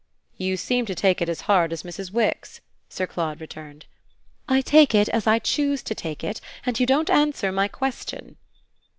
"You seem to take it as hard as Mrs. Wix," Sir Claude returned. "I take it as I choose to take it, and you don't answer my question."